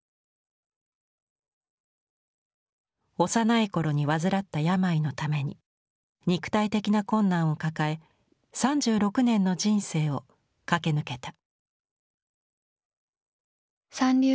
幼い頃に患った病のために肉体的な困難を抱え３６年の人生を駆け抜けた。